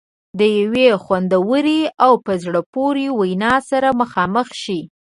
د یوې خوندورې او په زړه پورې وینا سره مخامخ شي.